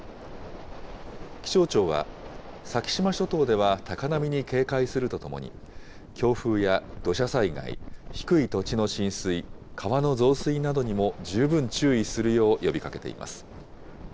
気象庁は、先島諸島では高波に警戒するとともに、強風や土砂災害、低い土地の浸水、川の増水などにも十分注意するよう呼びかけています。